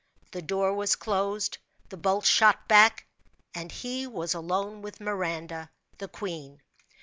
The door was closed; the bolts shot back! and he was alone with Miranda, the queen.